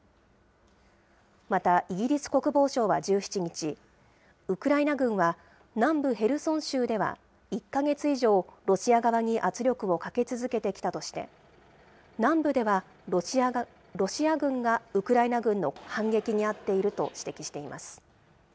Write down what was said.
またイギリス国防省は１７日、ウクライナ軍は、南部ヘルソン州では１か月以上、ロシア側に圧力をかけ続けてきたとして、南部ではロシア軍がウクライナ軍の反撃にあっていると指摘しています。